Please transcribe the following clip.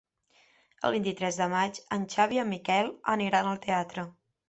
El vint-i-tres de maig en Xavi i en Miquel aniran al teatre.